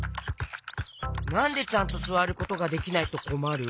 なんでちゃんとすわることができないとこまる？